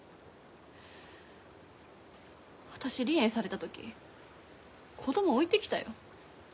私離縁された時子供置いてきたよ。